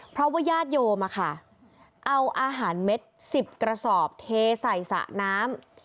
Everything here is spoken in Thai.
เพราะว่าญาติโยมเอาอาหารเม็ด๑๐กระสอบเทใส่สระน้ำ